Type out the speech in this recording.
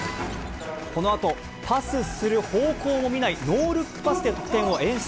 このあと、パスする方向も見ないノールックパスで得点を演出。